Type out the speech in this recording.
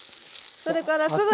それからすぐに。